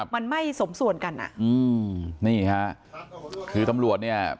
มันไม่สมส่วนกันอ่ะอืมนี่ฮะคือตำรวจเนี่ย